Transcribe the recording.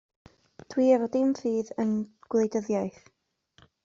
dwi efo dim ffudd yn glwedyddiaeth